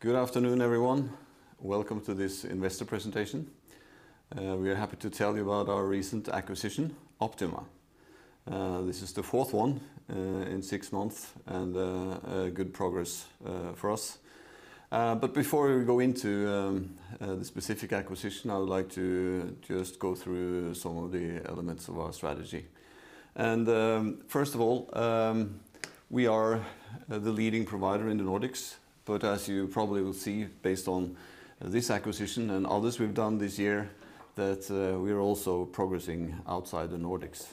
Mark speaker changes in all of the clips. Speaker 1: Good afternoon, everyone. Welcome to this investor presentation. We are happy to tell you about our recent acquisition, Optima. This is the fourth one in six months and good progress for us. Before we go into the specific acquisition, I would like to just go through some of the elements of our strategy. First of all, we are the leading provider in the Nordics, but as you probably will see based on this acquisition and others we've done this year, that we are also progressing outside the Nordics.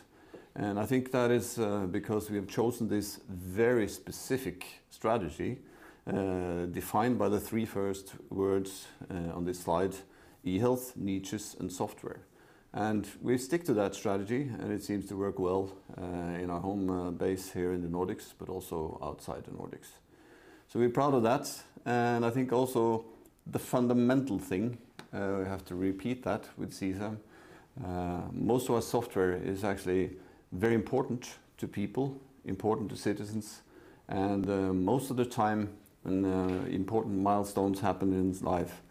Speaker 1: I think that is because we have chosen this very specific strategy, defined by the three first words on this slide, eHealth, niches, and software. We stick to that strategy, and it seems to work well in our home base here in the Nordics, but also outside the Nordics. We're proud of that, and I think also the fundamental thing, we have to repeat that with CSAM. Most of our software is actually very important to people, important to citizens, and most of the time when important milestones happen in life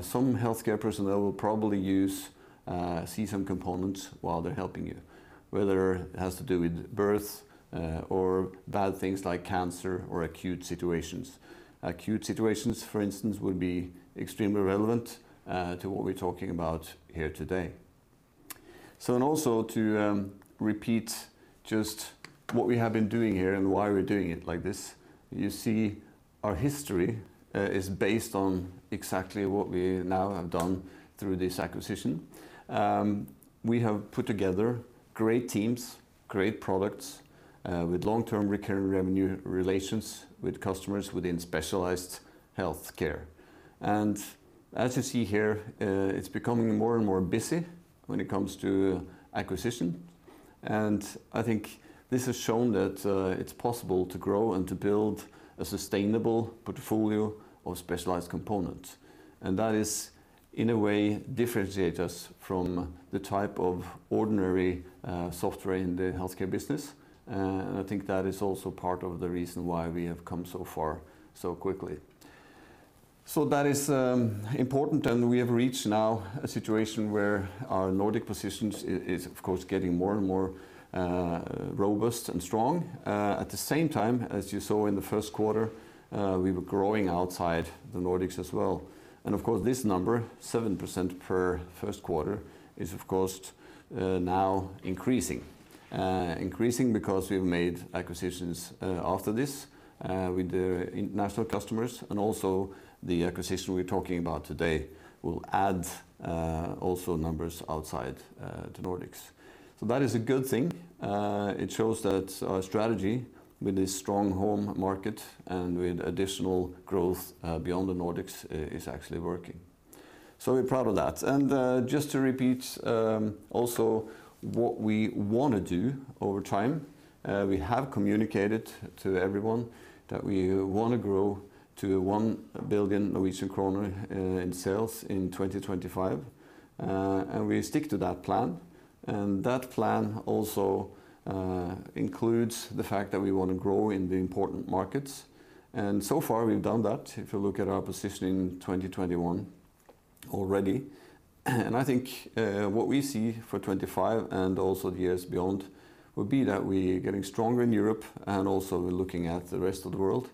Speaker 1: some healthcare personnel will probably use CSAM components while they're helping you, whether it has to do with birth or bad things like cancer or acute situations. Acute situations, for instance, would be extremely relevant to what we're talking about here today. And also to repeat just what we have been doing here and why we're doing it like this. You see our history is based on exactly what we now have done through this acquisition. We have put together great teams, great products, with long-term recurring revenue relations with customers within specialized healthcare. As you see here, it's becoming more and more busy when it comes to acquisition. I think this has shown that it's possible to grow and to build a sustainable portfolio of specialized components. That is in a way differentiates us from the type of ordinary software in the healthcare business. I think that is also part of the reason why we have come so far so quickly. That is important, and we have reached now a situation where our Nordic positions is, of course, getting more and more robust and strong. At the same time, as you saw in the first quarter, we were growing outside the Nordics as well. Of course, this number, 7% per first quarter, is of course now increasing. Increasing because we've made acquisitions after this with the international customers and also the acquisition we're talking about today will add also numbers outside the Nordics. That is a good thing. It shows that our strategy with this strong home market and with additional growth beyond the Nordics is actually working. We're proud of that. Just to repeat, also what we want to do over time, we have communicated to everyone that we want to grow to 1 billion Norwegian kroner in sales in 2025. We stick to that plan, and that plan also includes the fact that we want to grow in the important markets. So far, we've done that, if you look at our position in 2021 already. I think what we see for 2025 and also the years beyond would be that we are getting stronger in Europe and also we're looking at the rest of the world.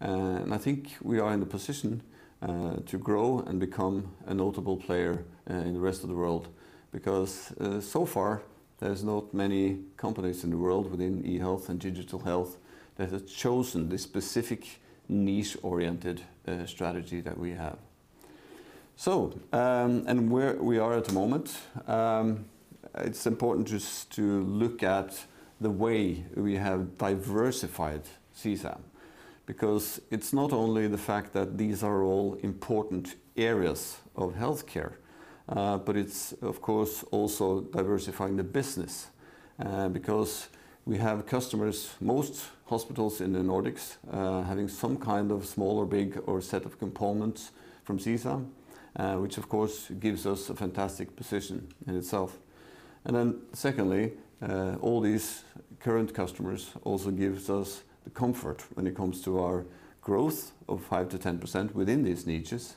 Speaker 1: I think we are in a position to grow and become a notable player in the rest of the world because so far there's not many companies in the world within eHealth and digital health that have chosen this specific niche-oriented strategy that we have. Where we are at the moment, it's important just to look at the way we have diversified CSAM because it's not only the fact that these are all important areas of healthcare, but it's of course also diversifying the business, because we have customers, most hospitals in the Nordics, having some kind of small or big or set of components from CSAM, which of course gives us a fantastic position in itself. Secondly, all these current customers also gives us the comfort when it comes to our growth of 5%-10% within these niches,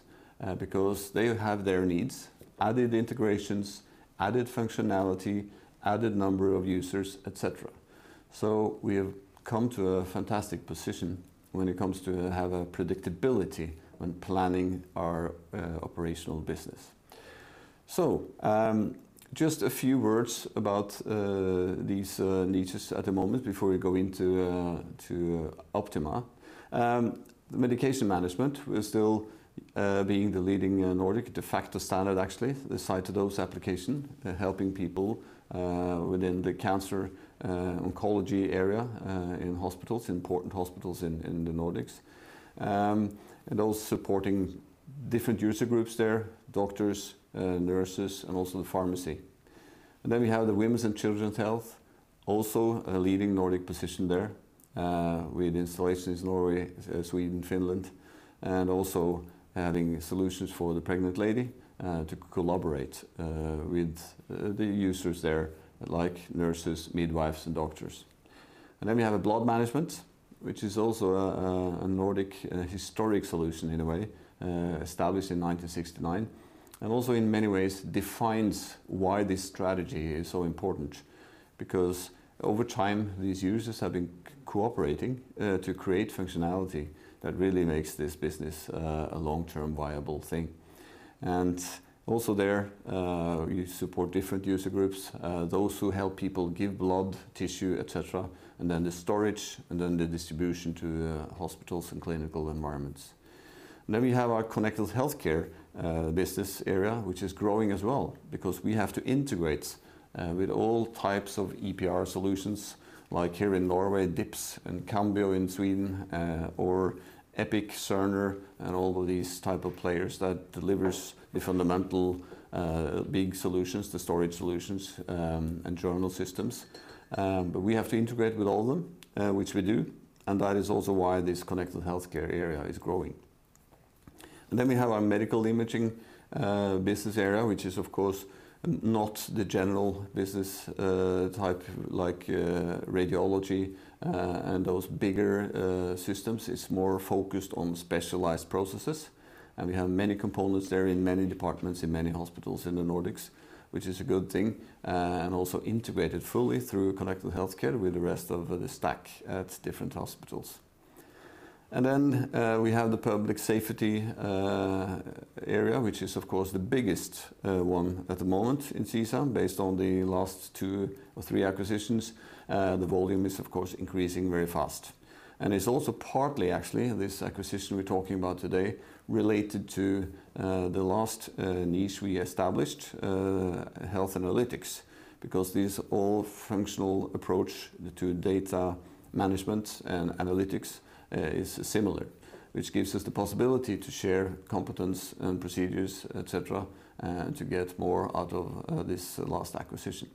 Speaker 1: because they have their needs, added integrations, added functionality, added number of users, et cetera. We have come to a fantastic position when it comes to have a predictability when planning our operational business. Just a few words about these niches at the moment before we go into Optima. Medication management, we're still being the leading in Nordic de facto standard, actually, the Cytodose application, helping people within the cancer oncology area in hospitals, important hospitals in the Nordics. Also supporting different user groups there, doctors, nurses, and also the pharmacy. Then we have the women's and children's health, also a leading Nordic position there, with installations in Norway, Sweden, Finland, and also having solutions for the pregnant lady, to collaborate with the users there, like nurses, midwives, and doctors. Then we have blood management, which is also a Nordic historic solution in a way, established in 1969, and also in many ways defines why this strategy is so important. Because over time, these users have been cooperating to create functionality that really makes this business a long-term viable thing. Also there, we support different user groups, those who help people give blood, tissue, et cetera, and then the storage, and then the distribution to hospitals and clinical environments. We have our connected healthcare business area, which is growing as well, because we have to integrate with all types of EPR solutions, like here in Norway, DIPS and Cambio in Sweden, or Epic, Cerner, and all of these type of players that delivers the fundamental big solutions, the storage solutions, and journal systems. We have to integrate with all them, which we do, and that is also why this connected healthcare area is growing. We have our medical imaging business area, which is, of course, not the general business type like radiology and those bigger systems. It's more focused on specialized processes, and we have many components there in many departments in many hospitals in the Nordics, which is a good thing, also integrated fully through connected healthcare with the rest of the stack at different hospitals. Then we have the public safety area, which is, of course, the biggest one at the moment in CSAM, based on the last two or three acquisitions. The volume is, of course, increasing very fast. It's also partly, actually, this acquisition we're talking about today, related to the last niche we established, health analytics, because this all functional approach to data management and analytics is similar, which gives us the possibility to share competence and procedures, et cetera, to get more out of this last acquisition.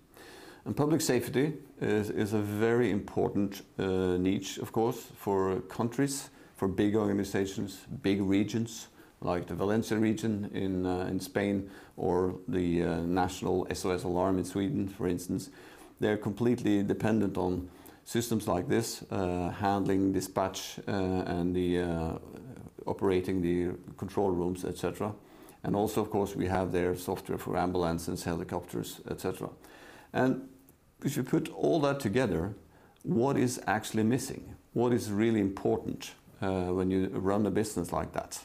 Speaker 1: Public safety is a very important niche, of course, for countries, for big organizations, big regions, like the Valencia region in Spain or the national SOS Alarm in Sweden, for instance. They're completely dependent on systems like this, handling dispatch and operating the control rooms, et cetera. Also, of course, we have their software for ambulances, helicopters, et cetera. If you put all that together, what is actually missing? What is really important when you run a business like that?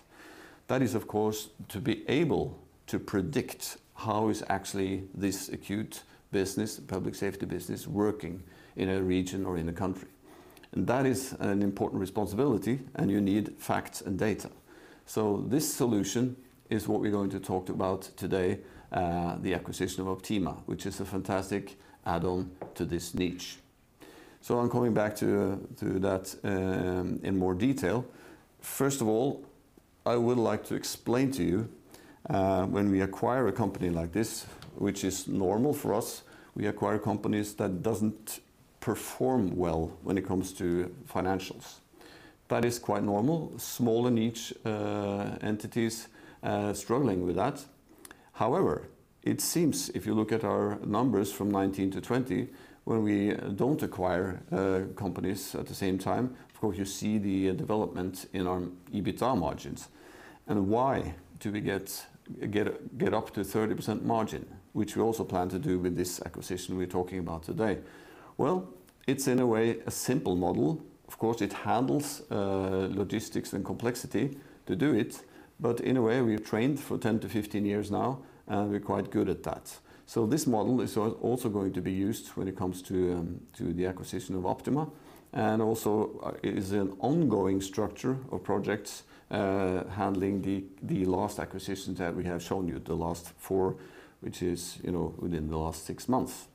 Speaker 1: That is, of course, to be able to predict how is actually this acute business, public safety business, working in a region or in a country. That is an important responsibility, and you need facts and data. This solution is what we're going to talk about today, the acquisition of Optima, which is a fantastic add-on to this niche. I'm coming back to that in more detail. First of all, I would like to explain to you, when we acquire a company like this, which is normal for us, we acquire companies that doesn't perform well when it comes to financials. That is quite normal. Small niche entities struggling with that. However, it seems if you look at our numbers from 2019-2020, when we don't acquire companies at the same time, of course, you see the development in our EBITA margins. Why do we get up to 30% margin, which we also plan to do with this acquisition we're talking about today? Well, it's in a way, a simple model. Of course, it handles logistics and complexity to do it. In a way, we've trained for 10-15 years now, and we're quite good at that. This model is also going to be used when it comes to the acquisition of Optima. Also is an ongoing structure of projects handling the last acquisitions that we have shown you, the last four, which is within the last six months.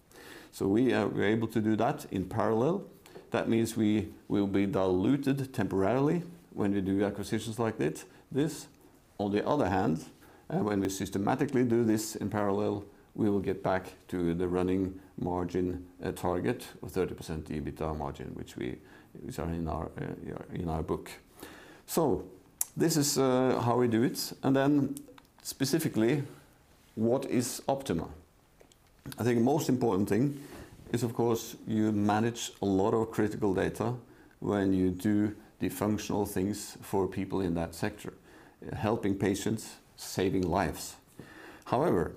Speaker 1: We are able to do that in parallel. That means we will be diluted temporarily when we do acquisitions like this. On the other hand, when we systematically do this in parallel, we will get back to the running margin target of 30% EBITA margin, which are in our book. This is how we do it, and then specifically, what is Optima? I think most important thing is, of course, you manage a lot of critical data when you do the functional things for people in that sector, helping patients, saving lives. However,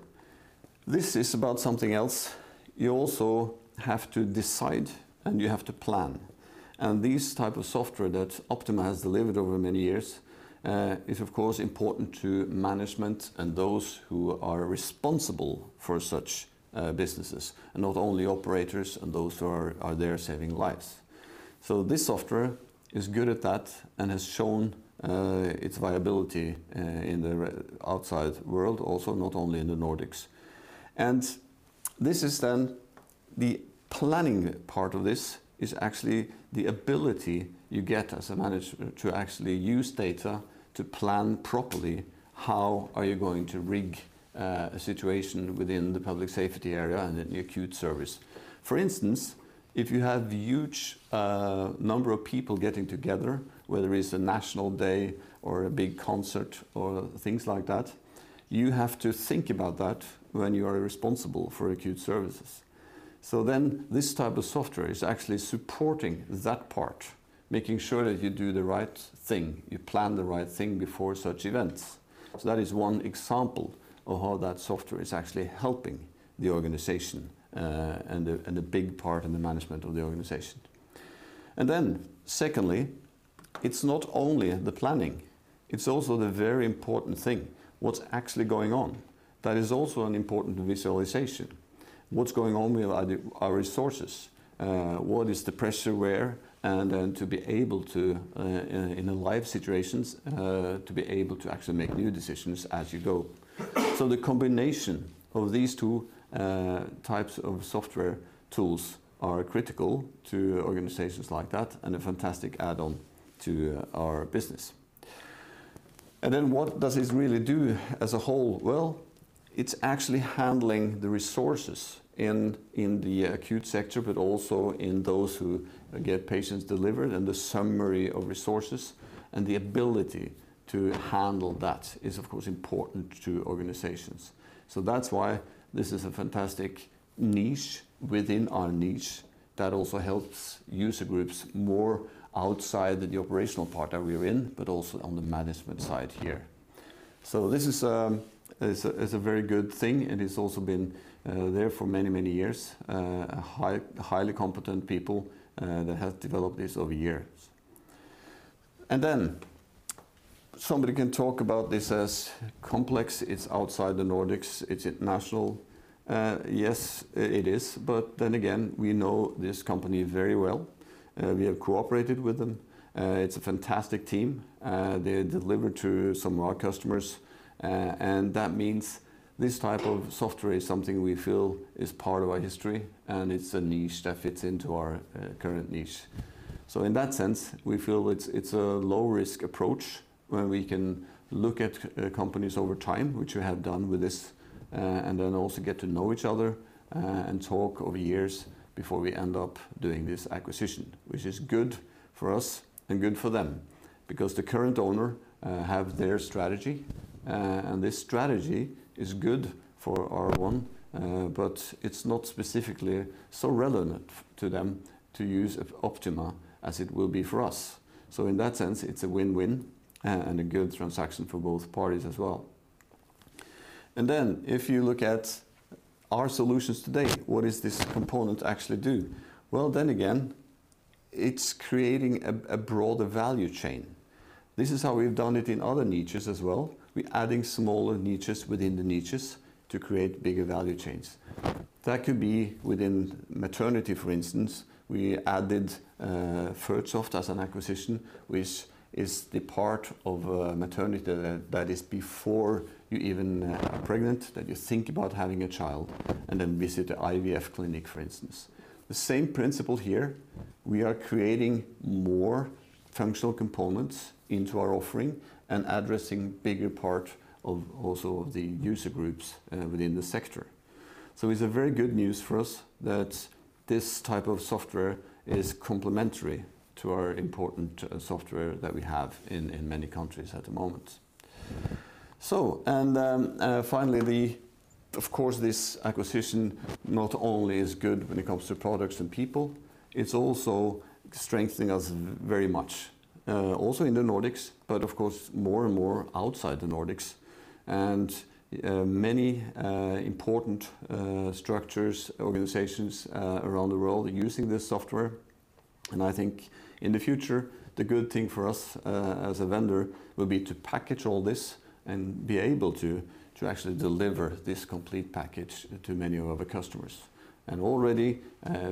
Speaker 1: this is about something else. You also have to decide, you have to plan. These type of software that's optimized, delivered over many years is, of course, important to management and those who are responsible for such businesses, not only operators and those who are there saving lives. This software is good at that and has shown its viability in the outside world also, not only in the Nordics. This is then the planning part of this is actually the ability you get as a manager to actually use data to plan properly how are you going to rig a situation within the public safety area and in the acute service. For instance, if you have huge number of people getting together, whether it's a national day or a big concert or things like that, you have to think about that when you are responsible for acute services. This type of software is actually supporting that part, making sure that you do the right thing, you plan the right thing before such events. That is one example of how that software is actually helping the organization, and a big part in the management of the organization. Secondly, it's not only in the planning, it's also the very important thing, what's actually going on. That is also an important visualization. What's going on with our resources? Where is the pressure? To be able to, in live situations, to be able to actually make new decisions as you go. The combination of these two types of software tools are critical to organizations like that, and a fantastic add-on to our business. What does it really do as a whole? Well, it's actually handling the resources in the acute sector, but also in those who get patients delivered and the summary of resources, and the ability to handle that is, of course, important to organizations. That's why this is a fantastic niche within our niche that also helps user groups more outside the operational part that we are in, but also on the management side here. This is a very good thing, and it's also been there for many, many years. Highly competent people that have developed this over years. Somebody can talk about this as complex, it's outside the Nordics, it's international. Yes, it is. We know this company very well. We have cooperated with them. It's a fantastic team. They deliver to some of our customers, and that means this type of software is something we feel is part of our history, and it's a niche that fits into our current niche. We feel it's a low-risk approach where we can look at companies over time, which we have done with this, and then also get to know each other, and talk over years before we end up doing this acquisition, which is good for us and good for them because the current owner have their strategy, and this strategy is good for R1, but it's not specifically so relevant to them to use Optima as it will be for us. It's a win-win and a good transaction for both parties as well. If you look at our solutions today, what does this component actually do? Then again, it's creating a broader value chain. This is how we've done it in other niches as well. We're adding smaller niches within the niches to create bigger value chains. That can be within maternity, for instance. We added Fertsoft as an acquisition, which is the part of maternity that is before you even are pregnant, that you think about having a child and then visit the IVF clinic, for instance. The same principle here. We are creating more functional components into our offering and addressing bigger part of also the user groups within the sector. It's a very good news for us that this type of software is complementary to our important software that we have in many countries at the moment. Finally, of course, this acquisition not only is good when it comes to products and people, it's also strengthening us very much. Also in the Nordics, but of course, more and more outside the Nordics. Many important structures, organizations around the world are using this software. I think in the future, the good thing for us as a vendor will be to package all this and be able to actually deliver this complete package to many of other customers. Already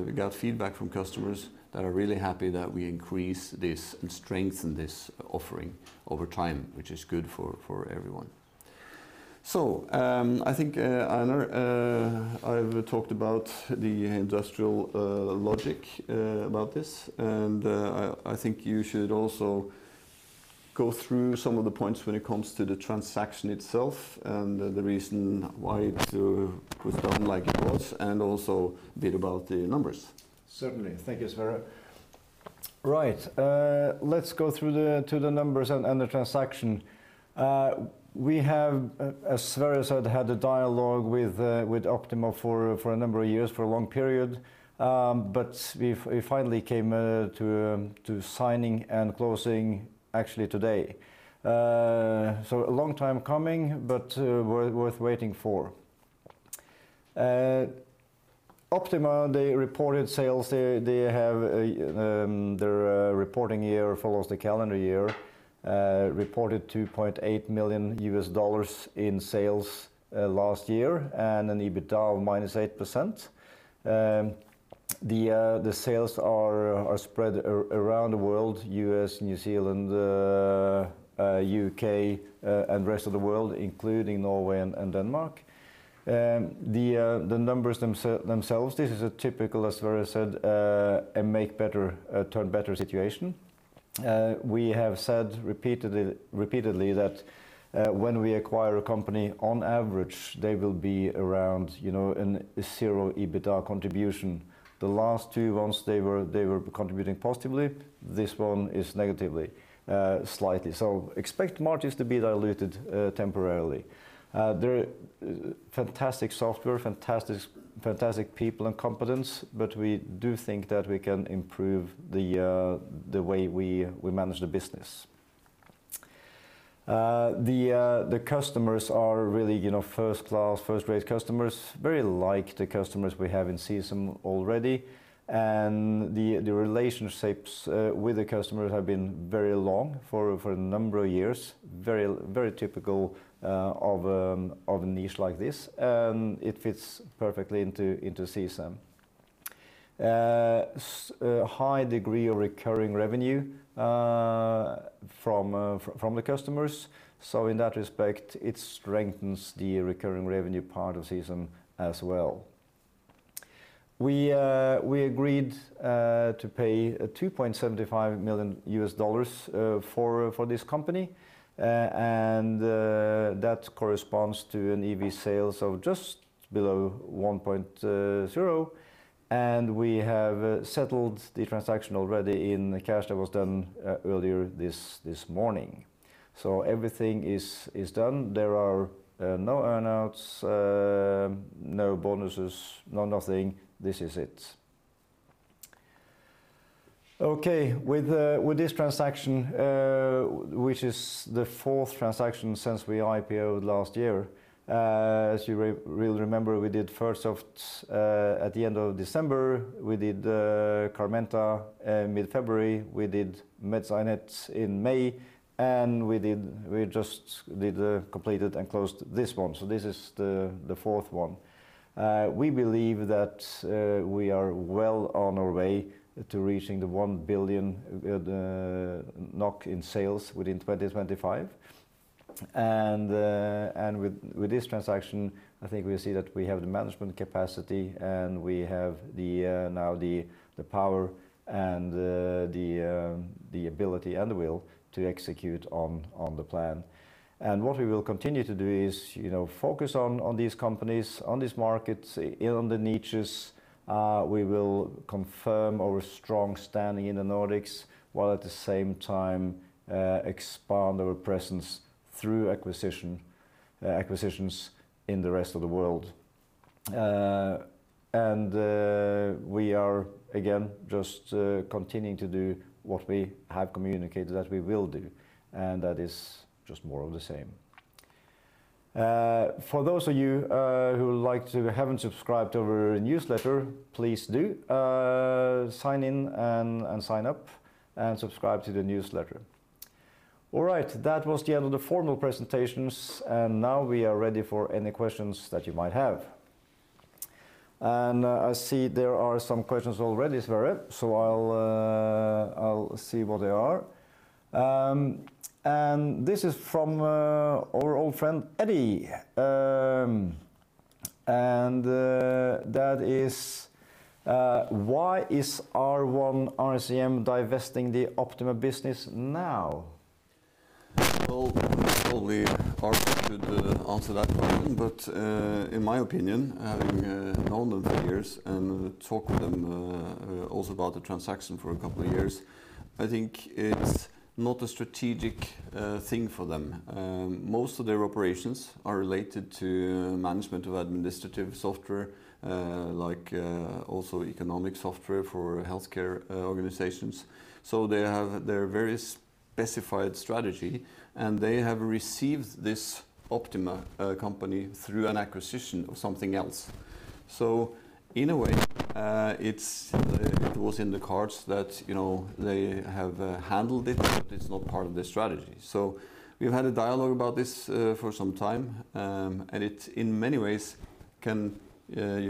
Speaker 1: we got feedback from customers that are really happy that we increase this and strengthen this offering over time, which is good for everyone. I think Einar Bonnevie, I've talked about the industrial logic about this, and I think you should also go through some of the points when it comes to the transaction itself and the reason why we do it was done like it was, and also a bit about the numbers.
Speaker 2: Certainly. Thank you, Sverre. Let's go through to the numbers and the transaction. We have, as Sverre said, had a dialogue with Optima for a number of years, for a long period. We finally came to signing and closing actually today. A long time coming, but worth waiting for. Optima, they reported sales. Their reporting year follows the calendar year, reported $2.8 million in sales last year and an EBITDA of -8%. The sales are spread around the world, U.S., New Zealand, U.K., and rest of the world, including Norway and Denmark. The numbers themselves, this is a typical, as Sverre said, a make better situation. We have said repeatedly that when we acquire a company, on average, they will be around zero EBITDA contribution. The last two ones, they were contributing positively. This one is negatively, slightly. Expect margins to be diluted temporarily. They're fantastic software, fantastic people and competence, we do think that we can improve the way we manage the business. The customers are really first-class, first-rate customers, very like the customers we have in CSAM already. The relationships with the customers have been very long, for a number of years. Very typical of a niche like this. It fits perfectly into CSAM. High degree of recurring revenue from the customers. In that respect, it strengthens the recurring revenue part of CSAM as well. We agreed to pay $2.75 million for this company, and that corresponds to an EV/sales of just below 1.0. We have settled the transaction already in cash that was done earlier this morning. Everything is done. There are no earn-outs, no bonuses, no nothing. This is it. Okay, with this transaction, which is the fourth transaction since we IPO'd last year. As you will remember, we did Fertsoft at the end of December, we did Carmenta mid-February, we did MedSciNet in May. We just completed and closed this one. This is the fourth one. We believe that we are well on our way to reaching the 1 billion NOK in sales within 2025. With this transaction, I think we see that we have the management capacity and we have now the power and the ability and the will to execute on the plan. What we will continue to do is focus on these companies, on these markets, in the niches. We will confirm our strong standing in the Nordics, while at the same time expand our presence through acquisitions in the rest of the world. We are, again, just continuing to do what we have communicated that we will do, and that is just more of the same. For those of you who haven't subscribed to our newsletter, please do sign in and sign up and subscribe to the newsletter. All right. That was the end of the formal presentations, and now we are ready for any questions that you might have. I see there are some questions already, Sverre, so I'll see what they are. This is from our old friend Eddie, and that is, "Why is R1 RCM divesting the Optima business now?
Speaker 1: Obviously, R1 could answer that better, but in my opinion, having known them for years and talked with them also about the transaction for two years, I think it's not a strategic thing for them. Most of their operations are related to management of administrative software, like also economic software for healthcare organizations. They have their very specified strategy, and they have received this Optima company through an acquisition of something else. In a way, it was in the cards that they have handled it, but it's not part of their strategy. We've had a dialogue about this for some time, and it, in many ways, the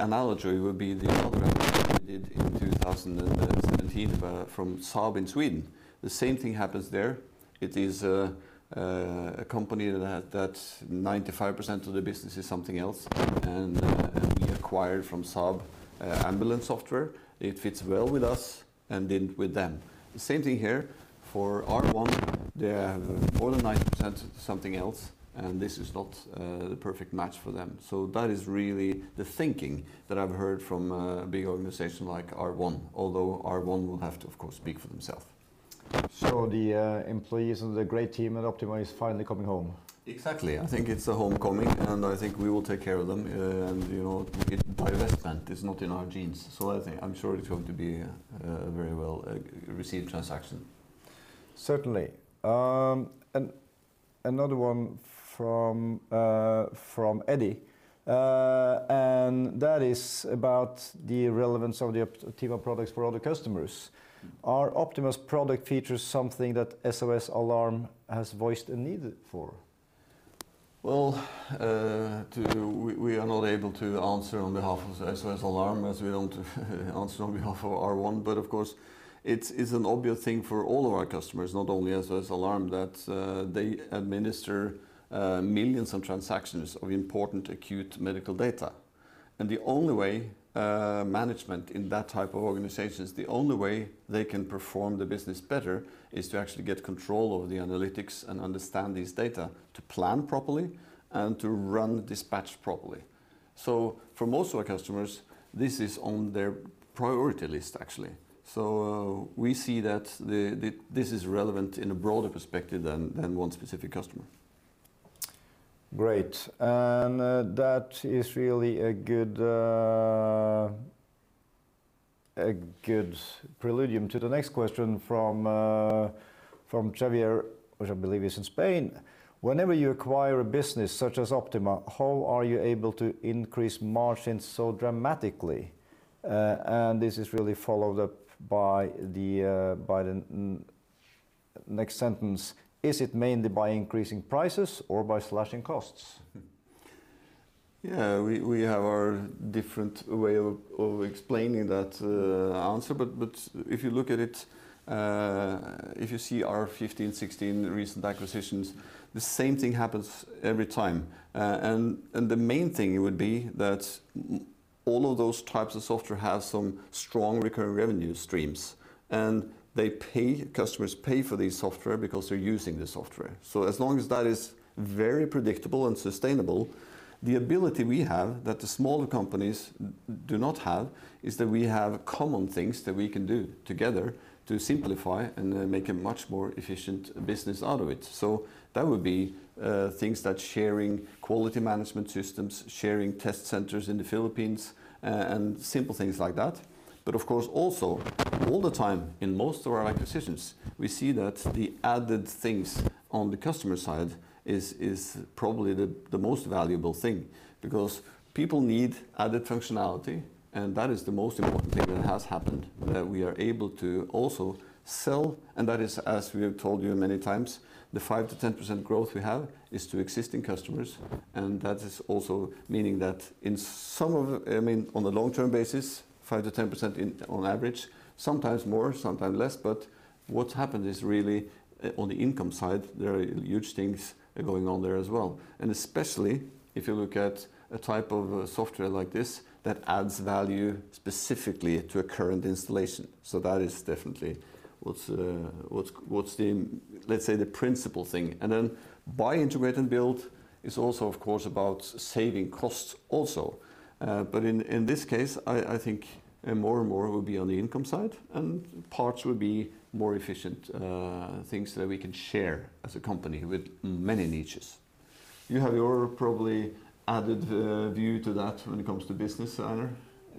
Speaker 1: analogy would be the acquisition we did in 2017 from Saab in Sweden. The same thing happens there. It is a company that 95% of the business is something else, and we acquired Paratus from Saab. It fits well with us and did with them. The same thing here for R1. They have more than 90% something else, and this is not the perfect match for them. That is really the thinking that I've heard from a big organization like R1, although R1 will have to, of course, speak for themself.
Speaker 2: The employees and the great team at Optima is finally coming home.
Speaker 1: Exactly. I think it's a homecoming, and I think we will take care of them, and we don't divest them. It's not in our genes. I'm sure it's going to be a very well-received transaction.
Speaker 2: Certainly. Another one from Eddie, and that is about the relevance of the Optima products for other customers. Are Optima's product features something that SOS Alarm has voiced a need for?
Speaker 1: Well, we are not able to answer on behalf of SOS Alarm as we are able to answer on behalf of R1. Of course, it is an obvious thing for all of our customers, not only SOS Alarm, that they administer millions of transactions of important acute medical data. The only way management in that type of organization, the only way they can perform the business better is to actually get control over the analytics and understand these data to plan properly and to run the dispatch properly. For most of our customers, this is on their priority list, actually. We see that this is relevant in a broader perspective than one specific customer.
Speaker 2: Great. That is really a good preludium to the next question from Javier, which I believe is in Spain. Whenever you acquire a business such as Optima, how are you able to increase margins so dramatically? This is really followed up by the next sentence. Is it mainly by increasing prices or by slashing costs?
Speaker 1: Yeah, we have our different way of explaining that answer. If you look at it, if you see our 2015, 2016 recent acquisitions, the same thing happens every time. The main thing it would be that all of those types of software have some strong recurring revenue streams, and customers pay for these software because they're using the software. As long as that is very predictable and sustainable, the ability we have that the smaller companies do not have is that we have common things that we can do together to simplify and then make a much more efficient business out of it. That would be things that sharing quality management systems, sharing test centers in the Philippines, and simple things like that. Of course, also all the time in most of our acquisitions, we see that the added things on the customer side is probably the most valuable thing because people need added functionality, and that is the most important thing that has happened that we are able to also sell. That is, as we have told you many times, the 5%-10% growth we have is to existing customers. That is also meaning that on a long-term basis, 5%-10% on average, sometimes more, sometimes less. What happened is really on the income side, there are huge things going on there as well. Especially if you look at a type of software like this that adds value specifically to a current installation. That is definitely what's the, let's say, the principal thing. Buy, integrate, and build is also, of course, about saving costs also. In this case, I think more and more will be on the income side and parts will be more efficient things that we can share as a company with many niches.
Speaker 2: You have your probably added view to that when it comes to business, Sverre?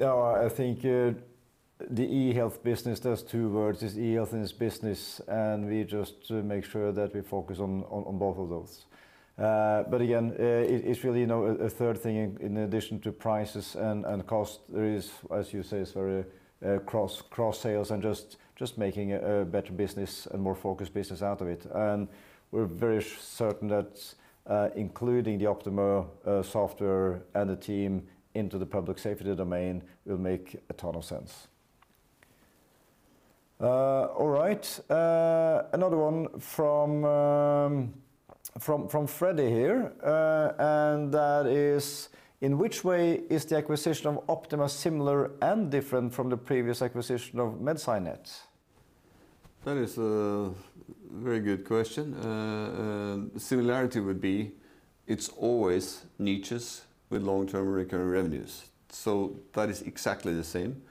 Speaker 1: I think the eHealth business does two words, is eHealth and is business, and we just make sure that we focus on both of those. Again, it's really a third thing in addition to prices and cost. There is, as you say, sorry, cross-sales and just making a better business and more focused business out of it. We're very certain that including the Optima software and the team into the public safety domain will make a ton of sense.
Speaker 2: All right. Another one from Freddy here, and that is, in which way is the acquisition of Optima similar and different from the previous acquisition of MedSciNet?
Speaker 1: That is a very good question. The similarity would be it's always niches with long-term recurring revenues. That is exactly the same.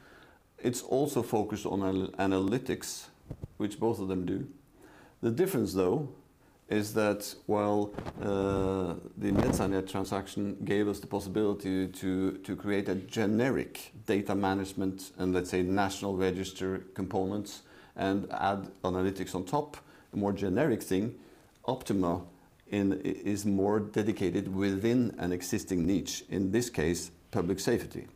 Speaker 1: It's also focused on analytics, which both of them do. The difference, though, is that while the MedSciNet transaction gave us the possibility to create a generic data management and, let's say, national register components and add analytics on top, a more generic thing, Optima is more dedicated within an existing niche, in this case, public safety.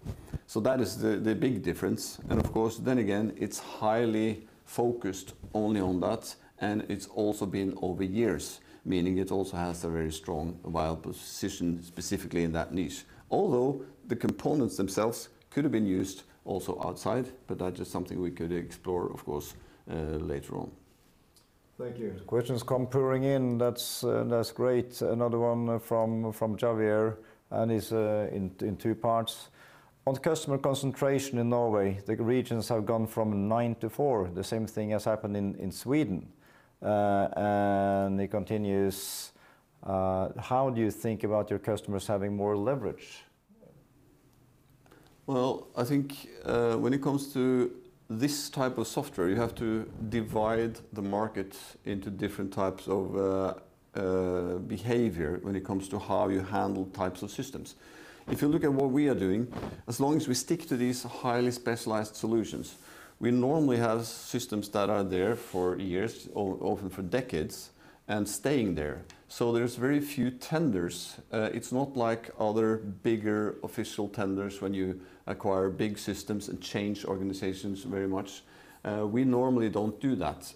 Speaker 1: That is the big difference. Of course, then again, it's highly focused only on that, and it's also been over years, meaning it also has a very strong viable position specifically in that niche, although the components themselves could have been used also outside. That is something we could explore, of course, later on.
Speaker 2: Thank you. Questions come pouring in. That's great. Another one from Javier, and it's in two parts. On customer concentration in Norway, the regions have gone from nine to four. The same thing has happened in Sweden. He continues, how do you think about your customers having more leverage?
Speaker 1: Well, I think when it comes to this type of software, you have to divide the market into different types of behavior when it comes to how you handle types of systems. If you look at what we are doing, as long as we stick to these highly specialized solutions, we normally have systems that are there for years or often for decades and staying there. There's very few tenders. It's not like other bigger official tenders when you acquire big systems and change organizations very much. We normally don't do that.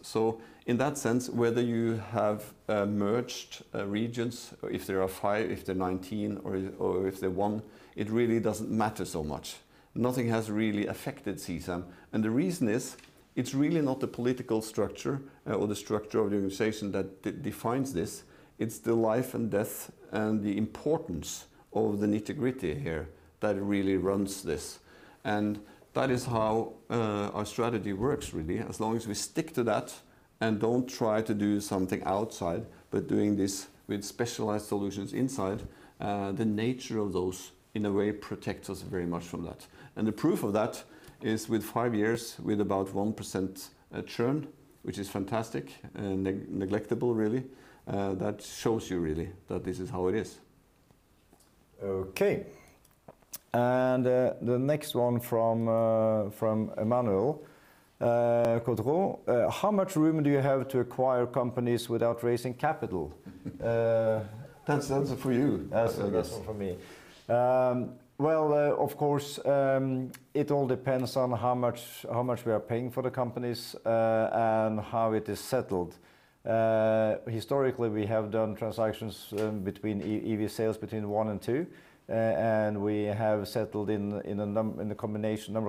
Speaker 1: In that sense, whether you have merged regions, if there are five, if they're 19 or if they're one, it really doesn't matter so much. Nothing has really affected CSAM, and the reason is it's really not the political structure or the structure of the organization that defines this. It's the life and death and the importance of the nitty-gritty here that really runs this. That is how our strategy works, really. As long as we stick to that. Don't try to do something outside, but doing this with specialized solutions inside, the nature of those, in a way, protects us very much from that. The proof of that is with five years with about 1% churn, which is fantastic and negligible really. That shows you really that this is how it is.
Speaker 2: Okay. The next one from Emmanuel. "How much room do you have to acquire companies without raising capital?"
Speaker 1: That's answer for you, Einar.
Speaker 2: That's an answer for me. Well, of course, it all depends on how much we are paying for the companies, and how it is settled. Historically, we have done transactions between EV/sales between one and two, and we have settled in a number of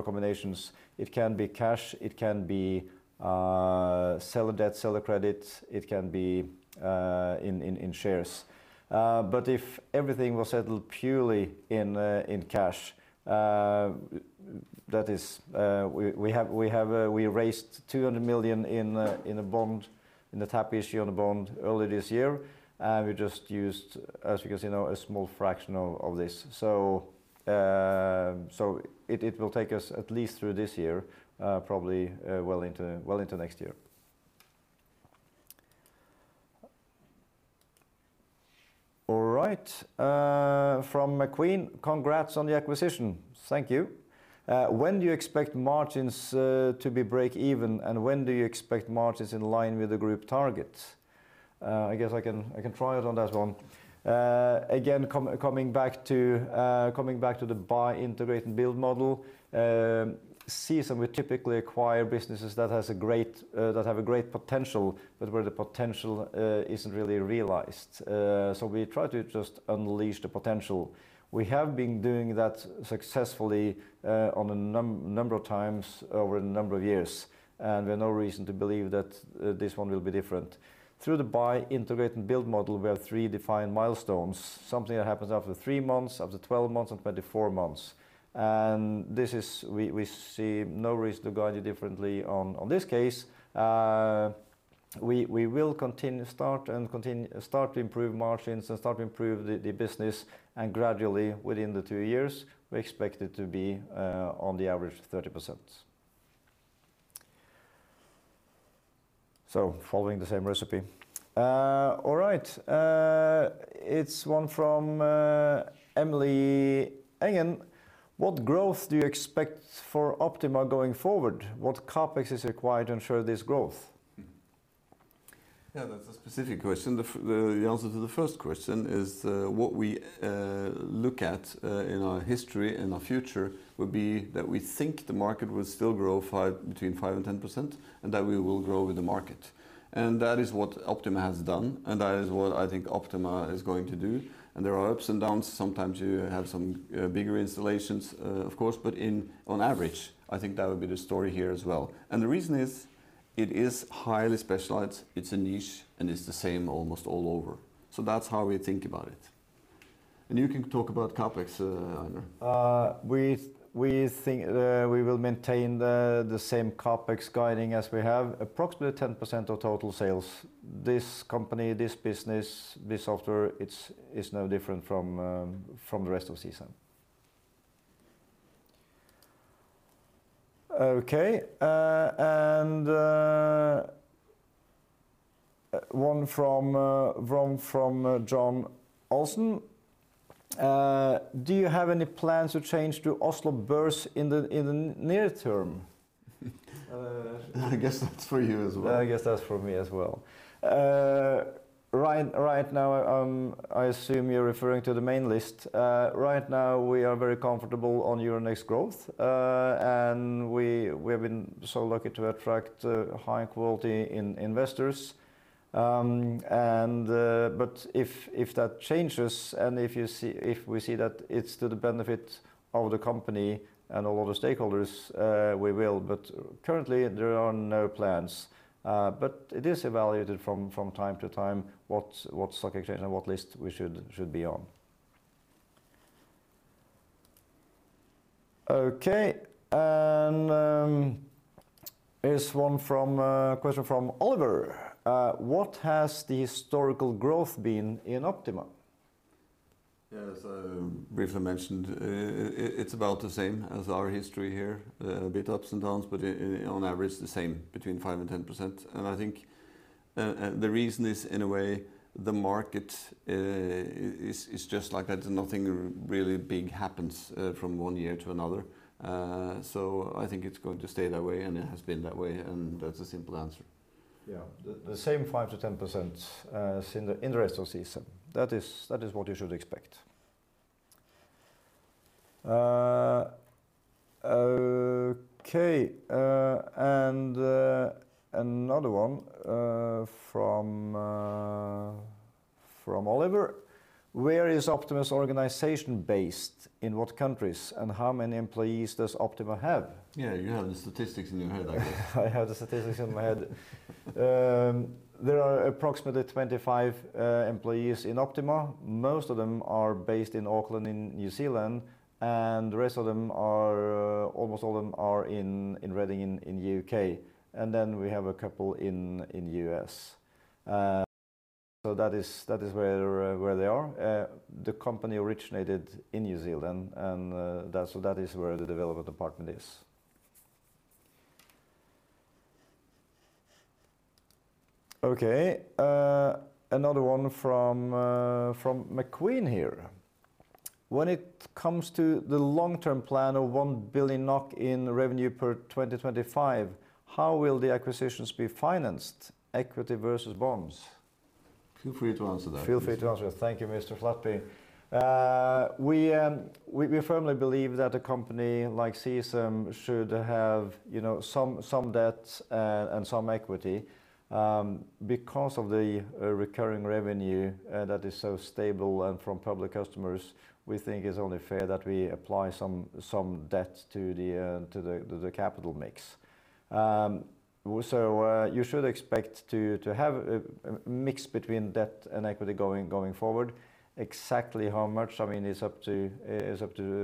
Speaker 2: combinations. It can be cash, it can be seller debt, seller credits, it can be in shares. If everything was settled purely in cash, we raised 200 million in a tap issue on a bond early this year, and we just used, as you can see now, a small fraction of this. It will take us at least through this year, probably well into next year. All right. From McQueen, "Congrats on the acquisition." Thank you. When do you expect margins to be break even, and when do you expect margins in line with the group targets? I guess I can try it on that one. Coming back to the buy, integrate, and build model. CSAM, we typically acquire businesses that have a great potential, where the potential isn't really realized. We try to just unleash the potential. We have been doing that successfully a number of times over a number of years, we've no reason to believe that this one will be different. Through the buy, integrate, and build model, we have three defined milestones. Something that happens after three months, after 12 months, and 24 months. We see no reason to go any differently on this case. We will start to improve margins and start to improve the business, and gradually, within the two years, we expect it to be on the average 30%. Following the same recipe. All right. It's one from Emilie Engen. What growth do you expect for Optima going forward? What CapEx is required to ensure this growth?
Speaker 1: Yeah, that's a specific question. The answer to the first question is what we look at in our history and our future, would be that we think the market will still grow between 5% and 10%, and that we will grow with the market. That is what Optima has done, and that is what I think Optima is going to do. There are ups and downs. Sometimes you have some bigger installations, of course, but on average, I think that would be the story here as well. The reason is, it is highly specialized, it's a niche, and it's the same almost all over. That's how we think about it. You can talk about CapEx, Einar.
Speaker 2: We think we will maintain the same CapEx guiding as we have, approximately 10% of total sales. This company, this business, this software, it's no different from the rest of CSAM. Okay. One from John Olsen. "Do you have any plans to change to Oslo Børs in the near term?"
Speaker 1: I guess that's for you as well.
Speaker 2: I guess that's for me as well. Right now, I assume you're referring to the main list. Right now, we are very comfortable on Euronext Growth. We've been so lucky to attract high-quality investors. If that changes, and if we see that it's to the benefit of the company and all the stakeholders, we will. Currently, there are no plans. It is evaluated from time to time what stock exchange and what list we should be on. Okay. Here's a question from Oliver. "What has the historical growth been in Optima?"
Speaker 1: Yeah, as briefly mentioned, it's about the same as our history here. A bit ups and downs, but on average, the same, between 5% and 10%. I think the reason is, in a way, the market is just like that. Nothing really big happens from one year to another. I think it's going to stay that way, and it has been that way, and that's the simple answer.
Speaker 2: Yeah. The same 5%-10% in the rest of CSAM. That is what you should expect. Okay. Another one from Oliver. "Where is Optima's organization based? In what countries, and how many employees does Optima have?"
Speaker 1: Yeah, you have the statistics in your head, I guess.
Speaker 2: I have the statistics in my head. There are approximately 25 employees in Optima. Most of them are based in Auckland, in New Zealand, and the rest of them, almost all of them, are in Reading, in the U.K. Then we have a couple in the U.S. That is where they are. The company originated in New Zealand, so that is where the development department is. Okay. Another one from McQueen here: When it comes to the long-term plan of 1 billion NOK in revenue per 2025, how will the acquisitions be financed, equity versus bonds?
Speaker 1: Feel free to answer that.
Speaker 2: Feel free to answer. Thank you, Mr. Flatby. We firmly believe that a company like CSAM should have some debt and some equity. Because of the recurring revenue that is so stable and from public customers, we think it's only fair that we apply some debt to the capital mix. You should expect to have a mix between debt and equity going forward. Exactly how much, I mean, it's up to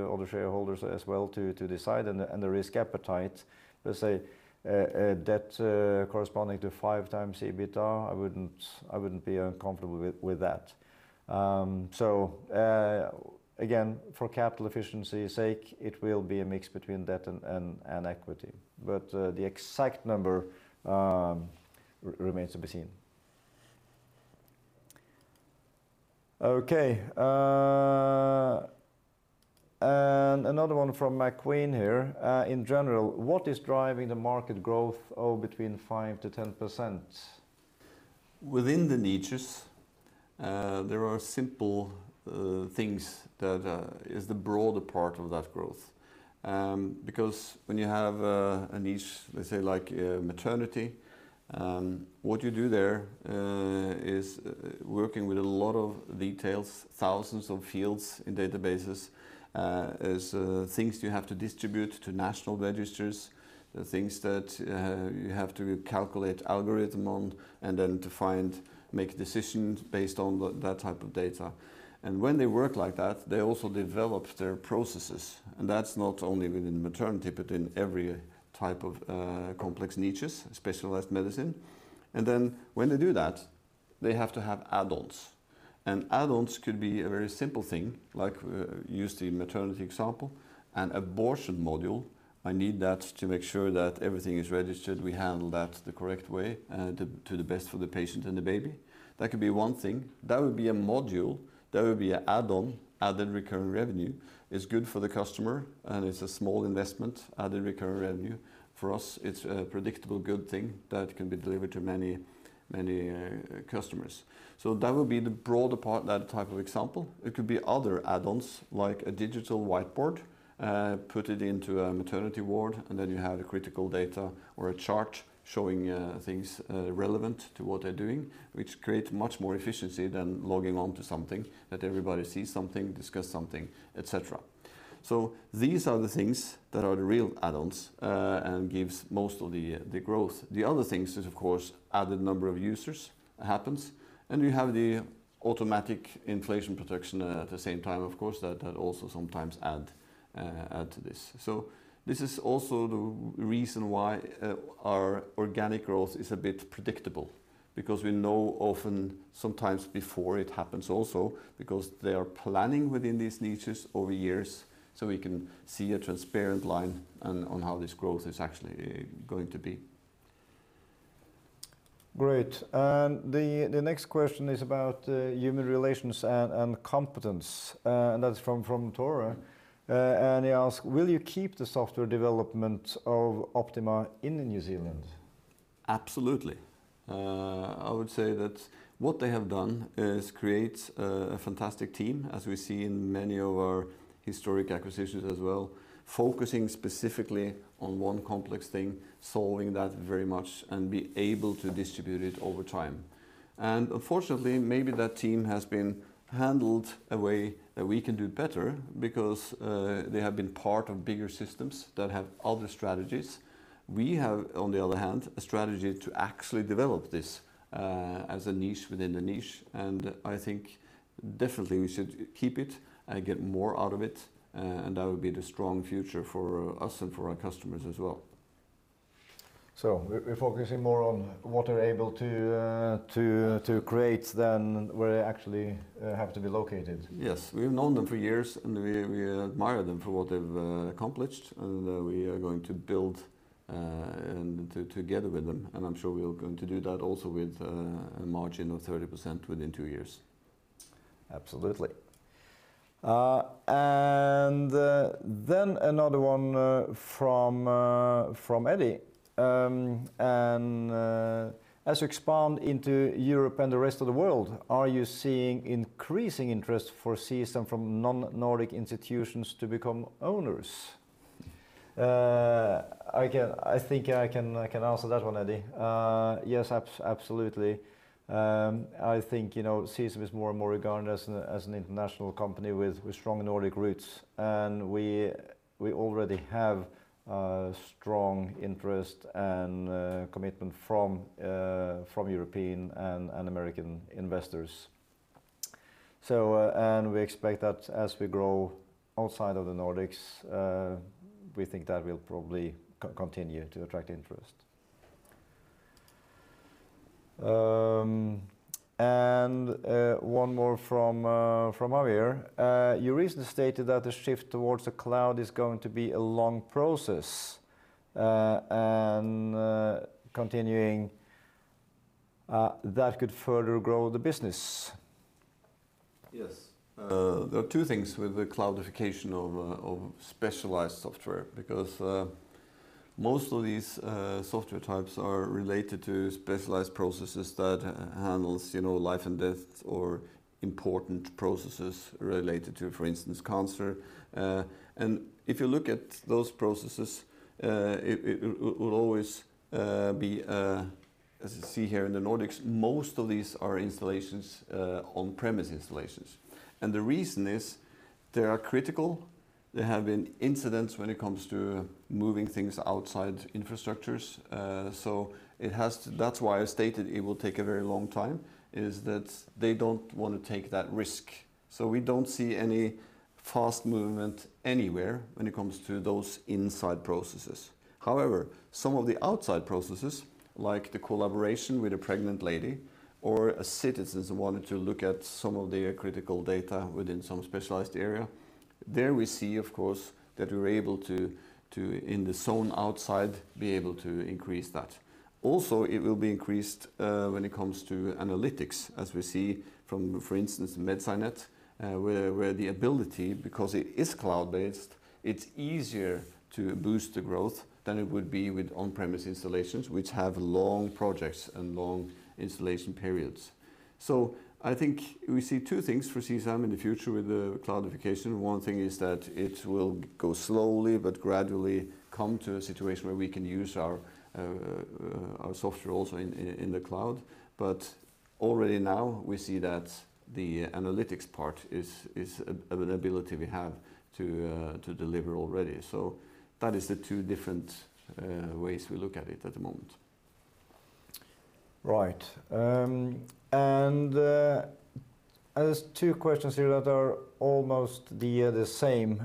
Speaker 2: all the shareholders as well to decide, and the risk appetite, let's say, debt corresponding to five times EBITA, I wouldn't be uncomfortable with that. Again, for capital efficiency's sake, it will be a mix between debt and equity, but the exact number remains to be seen. Okay. Another one from McQueen here: In general, what is driving the market growth between 5%-10%?
Speaker 1: Within the niches, there are simple things that is the broader part of that growth. Because when you have a niche, let's say like maternity, what you do there is working with a lot of details, thousands of fields in databases, as things you have to distribute to national registers, the things that you have to calculate algorithm on, and then to make decisions based on that type of data. When they work like that, they also develop their processes. That's not only within maternity, but in every type of complex niches, specialized medicine. When they do that, they have to have add-ons. Add-ons could be a very simple thing, like using maternity example, an abortion module, I need that to make sure that everything is registered, we handle that the correct way and to the best for the patient and the baby. That could be one thing. That would be a module. That would be an add-on, added recurring revenue. It's good for the customer, and it's a small investment, added recurring revenue. For us, it's a predictable good thing that can be delivered to many customers. That would be the broader part, that type of example. It could be other add-ons, like a digital whiteboard, put it into a maternity ward, and then you have critical data or a chart showing things relevant to what they're doing, which creates much more efficiency than logging on to something, that everybody sees something, discuss something, et cetera. These are the things that are the real add-ons and gives most of the growth. The other things is, of course, added number of users happens, and we have the automatic inflation protection at the same time, of course, that also sometimes add to this. This is also the reason why our organic growth is a bit predictable because we know often sometimes before it happens also because they are planning within these niches over years, so we can see a transparent line on how this growth is actually going to be.
Speaker 2: Great. The next question is about human relations and competence. That's from Tora. He asks, "Will you keep the software development of Optima in New Zealand?"
Speaker 1: Absolutely. I would say that what they have done is create a fantastic team, as we see in many of our historic acquisitions as well, focusing specifically on one complex thing, solving that very much, and be able to distribute it over time. Unfortunately, maybe that team has been handled a way that we can do better because they have been part of bigger systems that have other strategies. We have, on the other hand, a strategy to actually develop this as a niche within a niche, and I think definitely we should keep it and get more out of it, and that would be the strong future for us and for our customers as well.
Speaker 2: We're focusing more on what we're able to create than where they actually have to be located.
Speaker 1: Yes. We've known them for years, we admire them for what they've accomplished, and we are going to build together with them. I'm sure we are going to do that also with a margin of 30% within two years.
Speaker 2: Absolutely. Another one from Eddie. As you expand into Europe and the rest of the world, are you seeing increasing interest for CSAM from non-Nordic institutions to become owners? I think I can answer that one, Eddie. Yes, absolutely. I think CSAM is more and more regarded as an international company with strong Nordic roots. We already have strong interest and commitment from European and American investors. We expect that as we grow outside of the Nordics, we think that will probably continue to attract interest. One more from Amir. You recently stated that the shift towards the cloud is going to be a long process and continuing that could further grow the business.
Speaker 1: Yes. There are two things with the cloudification of specialized software, because most of these software types are related to specialized processes that handles life and death or important processes related to, for instance, cancer. If you look at those processes it will always be as you see here in the Nordics, most of these are installations on-premise installations. The reason is they are critical. They have incidents when it comes to moving things outside infrastructures. That's why I stated it will take a very long time, is that they don't want to take that risk. We don't see any fast movement anywhere when it comes to those inside processes, however, some of the outside processes, like the collaboration with a pregnant lady or a citizen wanting to look at some of their critical data within some specialized area. There we see, of course, that we're able to, in the zone outside, be able to increase that. It will be increased when it comes to analytics, as we see from, for instance, MedSciNet where the ability, because it is cloud-based, it's easier to boost the growth than it would be with on-premise installations, which have long projects and long installation periods. I think we see two things for CSAM in the future with the cloudification. One thing is that it will go slowly but gradually come to a situation where we can use our software also in the cloud. Already now we see that the analytics part is an ability we have to deliver already. That is the two different ways we look at it at the moment.
Speaker 2: Right. There's two questions here that are almost the same.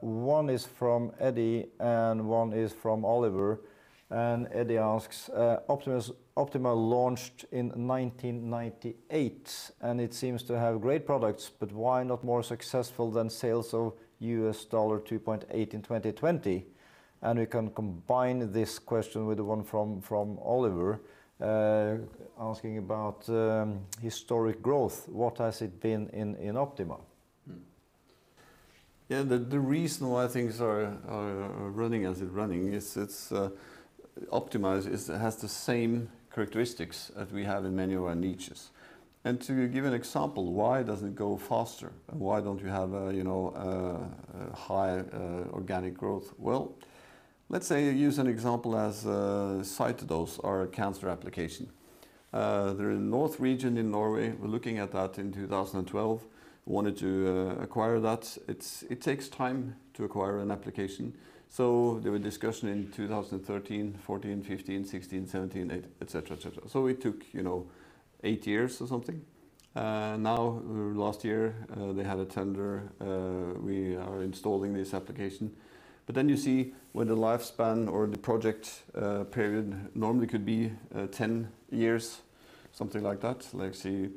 Speaker 2: One is from Eddie and one is from Oliver. Eddie asks, "Optima launched in 1998, and it seems to have great products, but why not more successful than sales of $2.8 million in 2020?" We can combine this question with the one from Oliver asking about historic growth. What has it been in Optima?
Speaker 1: Yeah. The reason why things are running as it running is it's optimized, it has the same characteristics that we have in many of our niches. To give an example, why doesn't it go faster? Why don't we have a high organic growth? Well, let's say use an example as Cytodose, our cancer application. They're in north region in Norway. We're looking at that in 2012. We wanted to acquire that. It takes time to acquire an application. There were discussions in 2013, 2014, 2015, 2016, 2017, et cetera. It took eight years or something. Now last year they had a tender. We are installing this application. You see when the lifespan or the project period normally could be 10 years, something like that. Let's say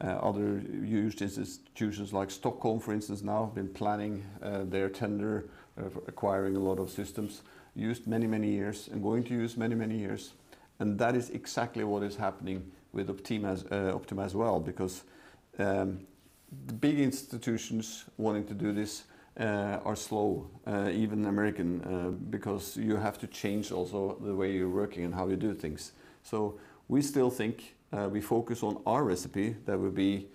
Speaker 1: other institutions like Stockholm, for instance, now have been planning their tender of acquiring a lot of systems used many years and going to use many years. That is exactly what is happening with Optima as well because the big institutions wanting to do this are slow, even American because you have to change also the way you're working and how you do things. We still think we focus on our recipe. That would be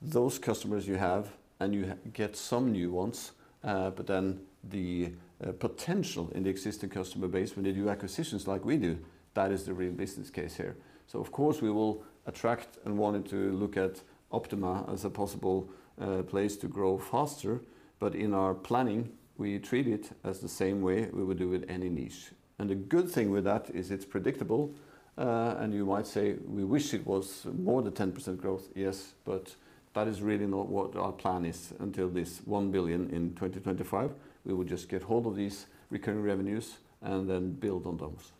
Speaker 1: those customers you have, and you get some new ones but then the potential in the existing customer base when they do acquisitions like we do, that is the real business case here. Of course, we will attract and wanting to look at Optima as a possible place to grow faster. In our planning, we treat it as the same way we would do with any niche. The good thing with that is it's predictable. You might say we wish it was more than 10% growth. Yes, that is really not what our plan is until this 1 billion in 2025. We will just get hold of these recurring revenues and then build on those.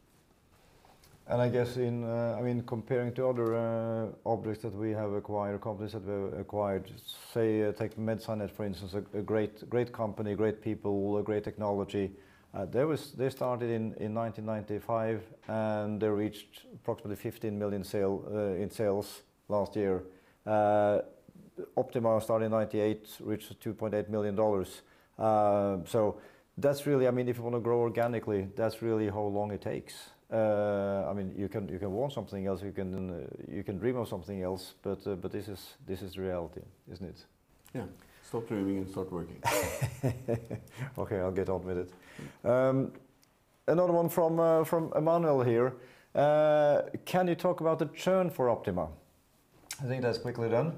Speaker 2: I guess in comparing to other objects that we have acquired, companies that we acquired, say take MedSciNet for instance, a great company, great people, great technology. They started in 1995, and they reached approximately 15 million in sales last year. Optima started in 1998, reached $2.8 million. That's really if you want to grow organically, that's really how long it takes. You can want something else, you can dream of something else, but this is reality, isn't it?
Speaker 1: Yeah. Stop dreaming and start working.
Speaker 2: Okay, I'll get on with it. Another one from Emmanuel here. Can you talk about the churn for Optima?
Speaker 1: I think that's quickly done.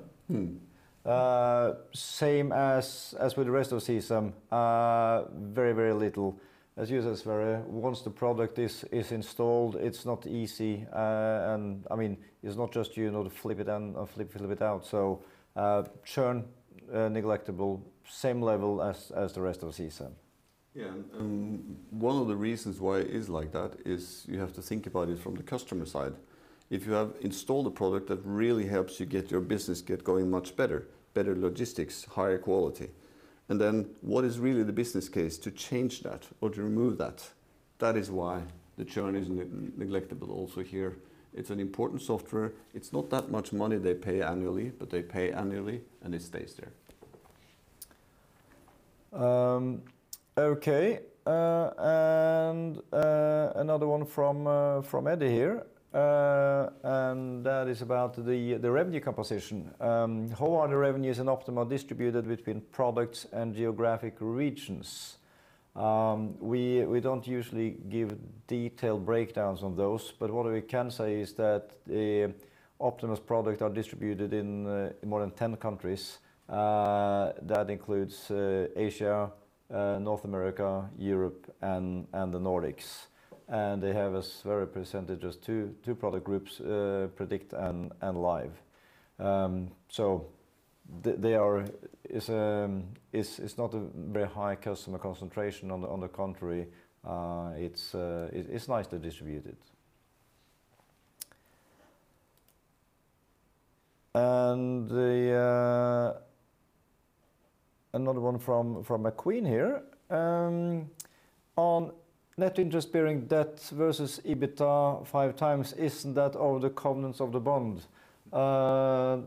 Speaker 2: Same as with the rest of CSAM. Very little. As you said, Sverre, once the product is installed, it's not easy. It's not just you to flip it in and flip it out. Churn negligible, same level as the rest of CSAM.
Speaker 1: Yeah. One of the reasons why it is like that is you have to think about it from the customer side. If you have installed a product that really helps you get your business get going much better logistics, higher quality, and then what is really the business case to change that or to remove that? That is why the churn is negligible also here. It's an important software. It's not that much money they pay annually, but they pay annually, and it stays there.
Speaker 2: Okay. Another one from Eddie here, and that is about the revenue composition. How are the revenues in Optima distributed between products and geographic regions? We don't usually give detailed breakdowns on those, what we can say is that the Optima's products are distributed in more than 10 countries. That includes Asia, North America, Europe, and the Nordics, they have a similar percentage as two product groups, Predict and Live. It's not a very high customer concentration. On the contrary, it's nicely distributed. Another one from McQueen here. On net interest-bearing debt versus EBITDA five times, isn't that all the covenants of the bond? The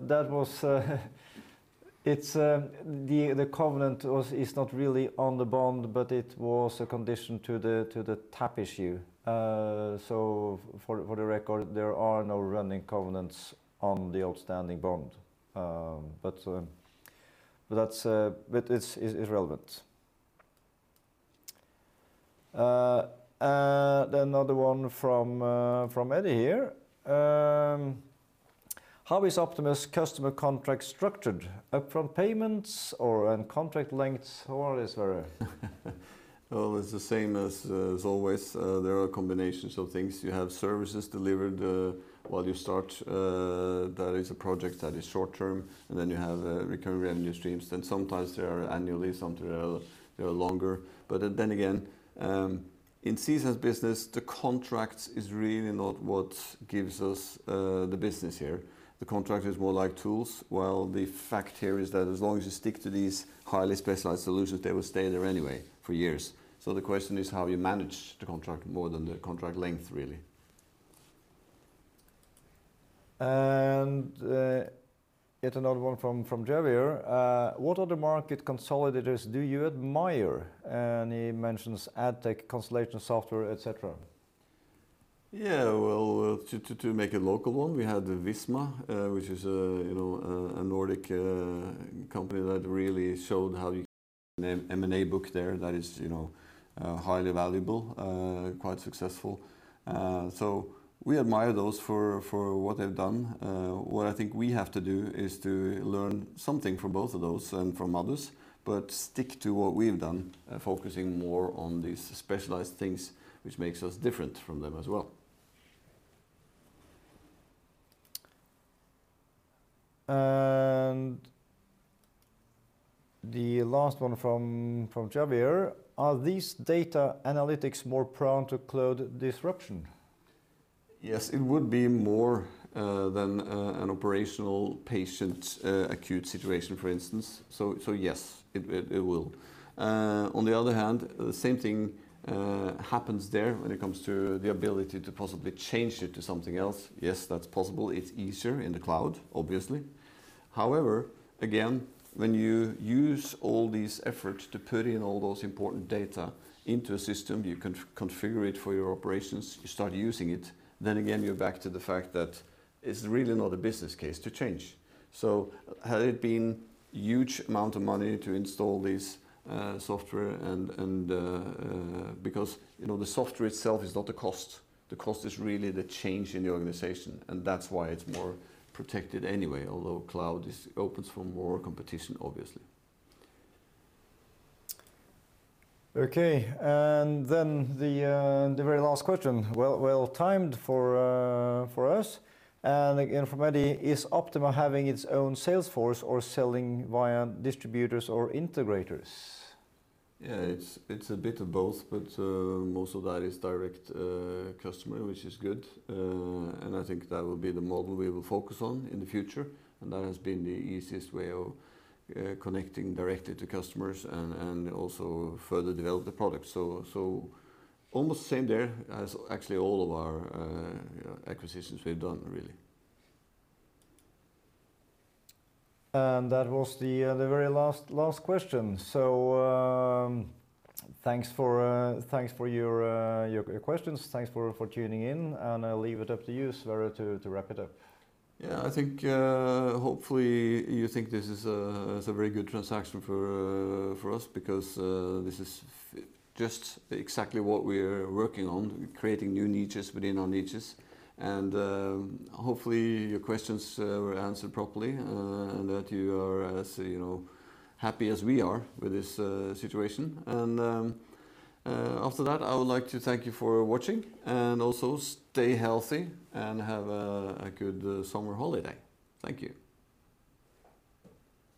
Speaker 2: covenant is not really on the bond, it was a condition to the tap issue. For the record, there are no running covenants on the outstanding bond. It's irrelevant. Another one from Eddie here. How is Optima's customer contract structured? Upfront payments or contract lengths? How is there?
Speaker 1: It's the same as always. There are combinations of things. You have services delivered while you start. That is a project that is short-term, and then you have recurring revenue streams. Sometimes they are annually, sometimes they are longer. Then again, in CS business, the contracts is really not what gives us the business here. The contracts is more like tools, while the fact here is that as long as you stick to these highly specialized solutions, they will stay there anyway for years. The question is how you manage the contract more than the contract length, really.
Speaker 2: Yet another one from Javier. What other market consolidators do you admire? He mentions Addtech, translation software, et cetera.
Speaker 1: Yeah, well, to make a local one, we have Visma which is a Nordic company that really showed how you can build an M&A book there that is highly valuable, quite successful. We admire those for what they've done. What I think we have to do is to learn something from both of those and from others, but stick to what we've done, focusing more on these specialized things, which makes us different from them as well.
Speaker 2: The last one from Javier. Are these data analytics more prone to cloud disruption?
Speaker 1: Yes, it would be more than an operational patient acute situation, for instance. Yes, it will. On the other hand, the same thing happens there when it comes to the ability to possibly change it to something else. Yes, that's possible. It's easier in the cloud, obviously. However, again, when you use all these efforts to put in all those important data into a system, you can configure it for your operations, you start using it. Again, you're back to the fact that it's really not a business case to change. Had it been huge amount of money to install this software and because the software itself is not the cost. The cost is really the change in the organization, and that's why it's more protected anyway, although cloud is open for more competition, obviously.
Speaker 2: Okay, the very last question. Well-timed for us, and again, from Eddie. Is Optima having its own sales force or selling via distributors or integrators?
Speaker 1: Yeah, it's a bit of both, but most of that is direct customer, which is good. I think that will be the model we will focus on in the future, and that has been the easiest way of connecting directly to customers and also further develop the product. Almost same there as actually all of our acquisitions we've done, really.
Speaker 2: That was the very last question. Thanks for your questions. Thanks for tuning in, and I'll leave it up to you, Sverre, to wrap it up.
Speaker 1: Yeah, I think hopefully you think this is a very good transaction for us because this is just exactly what we are working on, creating new niches within our niches. Hopefully your questions were answered properly and that you are as happy as we are with this situation. After that, I would like to thank you for watching, and also stay healthy and have a good summer holiday. Thank you.